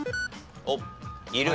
おっいる。